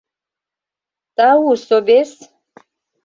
Тау, собес!